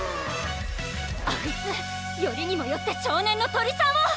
あいつよりにもよって少年の鳥さんを！